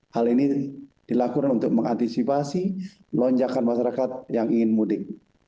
hal ini dilakukan untuk mengantisipasi lonjakan masyarakat yang ingin mudik